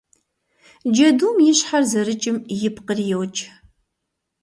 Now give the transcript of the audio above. Джэдум и щхьэр зэрыкӀым ипкъри йокӀ.